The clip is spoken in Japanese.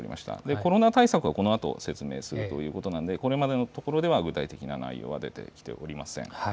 コロナ対策はこのあと説明するということなのでこれまでのところでは具体的な内容は出てきておりません。